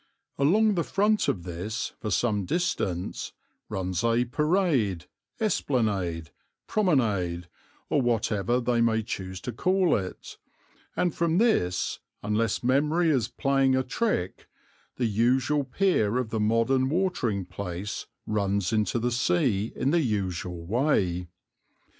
Along the front of this for some distance runs a parade, esplanade, promenade, or whatsoever they may choose to call it, and from this, unless memory is playing a trick, the usual pier of the modern watering place runs into the sea in the usual way.